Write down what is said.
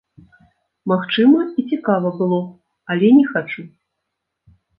Магчыма, і цікава было б, але не хачу.